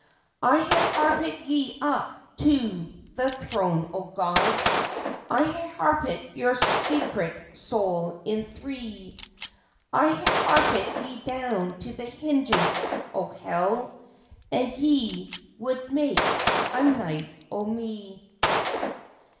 "I ha' harpit ye up to the Throne o' God, I ha' harpit your secret soul in three; I ha' harpit ye down to the Hinges o' Hell, And ye would make a Knight o' me!"